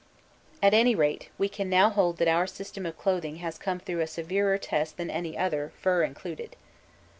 At any rate we can now hold that our system of clothing has come through a severer test than any other, fur included.